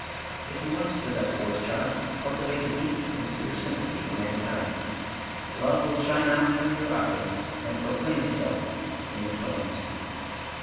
If you want to possess voice charm, cultivate a deep, sincere sympathy for mankind. Love will shine out through your eyes and proclaim itself in your tones.